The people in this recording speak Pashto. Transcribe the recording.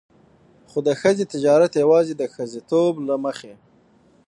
خو د ښځې تجارت يواځې د ښځېتوب له مخې.